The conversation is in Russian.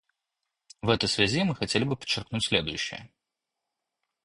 В этой связи мы хотели бы подчеркнуть следующее.